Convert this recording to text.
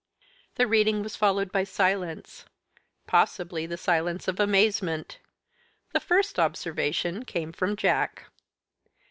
The reading was followed by silence, possibly the silence of amazement. The first observation came from Jack.